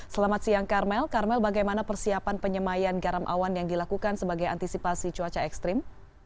selamat siang karmel karmel bagaimana persiapan penyemayan garam awan yang dilakukan sebagai antisipasi cuaca ekstrim